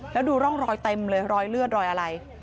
แล้วดูร่องรอยเต็มเลยรอยเลือดรอยอะไร